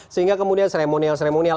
sehingga kemudian seremonial seremonial